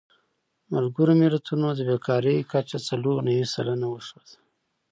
ملګرو ملتونو د بېکارۍ کچه څلور نوي سلنه وښوده.